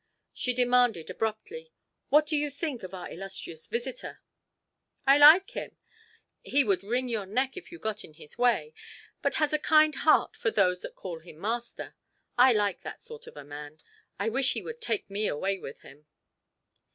She demanded abruptly: "What do you think of our illustrious visitor?" "I like him. He would wring your neck if you got in his way, but has a kind heart for those that call him master. I like that sort of a man. I wish he would take me away with him."